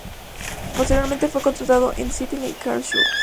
Posteriormente fue contratado en Stettin y Karlsruhe.